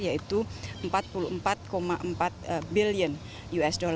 yaitu empat puluh empat empat billion usd